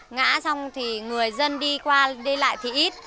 ngã xong thì người dân đi qua đi lại thì ít